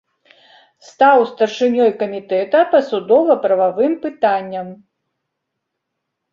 Стаў старшынёй камітэта па судова-прававым пытанням.